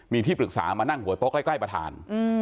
มีที่ปรึกษามานั่งหัวโต๊ะใกล้ประธาน